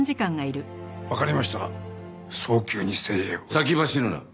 先走るな。